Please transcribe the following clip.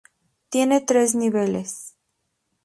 Tiene tres niveles.